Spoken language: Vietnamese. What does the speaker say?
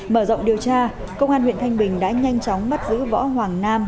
mở rộng điều tra công an huyện thanh bình đã nhanh chóng bắt giữ võ hoàng nam